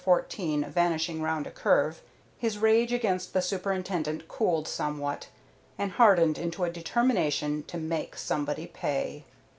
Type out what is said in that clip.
14 vanishing round a curve, his rage against the Superintendent cooled somewhat and hardened into a determination to make somebody pay.